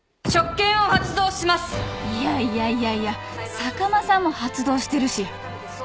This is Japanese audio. ［いやいやいやいや坂間さんも発動してるし］